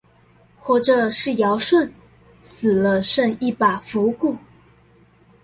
活著是堯舜，死了剩一把腐骨